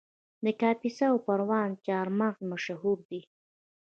د کاپیسا او پروان چهارمغز مشهور دي